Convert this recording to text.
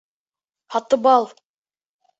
Һатыбал.